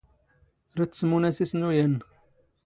ⵔⴰⴷ ⵜⵙⵎⵓⵏ ⴰⵙⵉⵙⵏⵓ ⴰⵏⵏ.